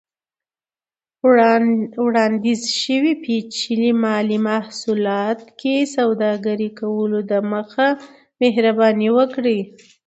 د وړاندیز شوي پیچلي مالي محصولاتو کې سوداګرۍ کولو دمخه، مهرباني وکړئ